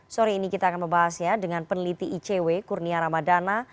sore ini kita akan membahasnya dengan peneliti icw kurnia ramadana